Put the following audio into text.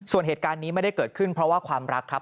ส่วนเหตุการณ์นี้ไม่ได้เกิดขึ้นเพราะว่าความรักครับ